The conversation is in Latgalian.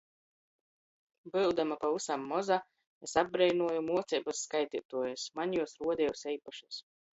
Byudama pavysam moza, es apbreinuoju muoceibys skaiteituojis, maņ juos ruodejuos eipašys.